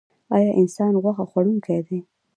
ایا انسان غوښه خوړونکی دی؟